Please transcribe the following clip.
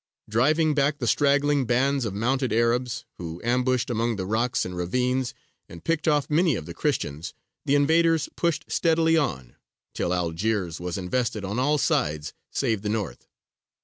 Driving back the straggling bands of mounted Arabs, who ambushed among the rocks and ravines, and picked off many of the Christians, the invaders pushed steadily on, till Algiers was invested on all sides save the north.